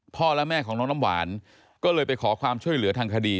และแม่ของน้องน้ำหวานก็เลยไปขอความช่วยเหลือทางคดี